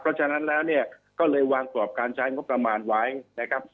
เพราะฉะนั้นแล้วเนี่ยก็เลยวางกรอบการใช้งบประมาณไว้นะครับ